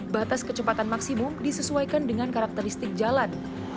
batas kecepatan maksimum disesuaikan dengan karakteristik jalan